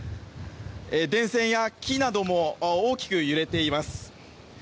電線や木なども大きく揺れています。